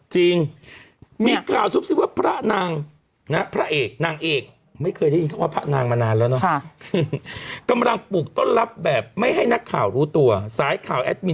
จริงมีข่าวซุบซิว่าพระนางพระเอกนางเอก